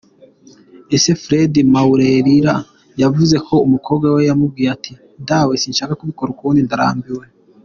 Se, Fredy maureira yavuze ko umukobwa we yamubwiye ati "Dawe, sinshaka kubikora ukundi, ndarambiwe.